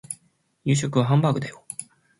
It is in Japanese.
夕食はハンバーグだよ